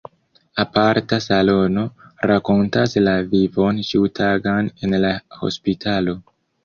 Aparta salono rakontas la vivon ĉiutagan en la hospitalo.